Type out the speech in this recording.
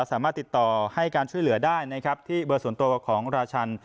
สามารถติดต่อให้การช่วยเหลือได้นะครับที่เบอร์ส่วนตัวของราชัน